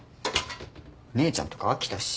姉ちゃんとか飽きたし。